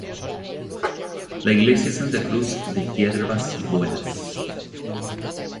La iglesia Santa Cruz de Yerbas Buenas.